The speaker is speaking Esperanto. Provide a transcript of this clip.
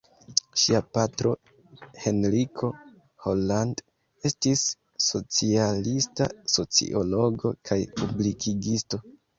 Ŝia patro Henriko Holland estis socialista sociologo kaj publikigisto.